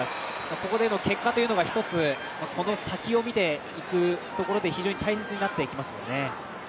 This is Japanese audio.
ここでの結果というのが一つ、この先を見ていくところで非常に大切になっていきますもんね。